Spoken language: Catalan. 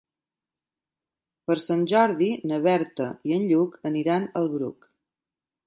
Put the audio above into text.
Per Sant Jordi na Berta i en Lluc aniran al Bruc.